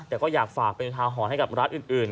แต่ก็อยากฝากเป็นอุทาหรณ์ให้กับร้านอื่น